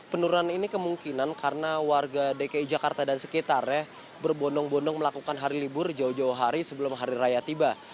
penurunan ini kemungkinan karena warga dki jakarta dan sekitarnya berbondong bondong melakukan hari libur jauh jauh hari sebelum hari raya tiba